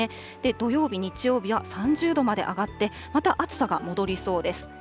土曜日、日曜日は３０度まで上がって、また暑さが戻りそうです。